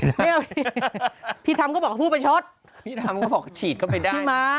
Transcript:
แต่ว่าพี่ทำเขาบอกว่าให้ฉีดเข้าไปได้